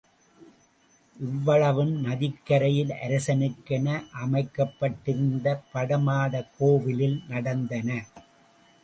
இவ்வளவும் நதிக்கரையில் அரசனுக்கென அமைக்கப்பட்டிருந்த படமாடக் கோவிலில் நடந்தன.